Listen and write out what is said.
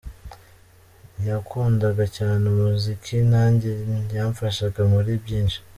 Yakundaga cyane umuziki, nanjye yamfashaga muri byinshi.